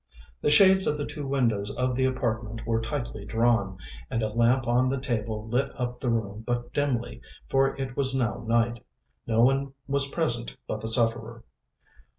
The shades of the two windows of the apartment were tightly drawn and a lamp on the table lit up the room but dimly, for it was now night. No one was present but the sufferer.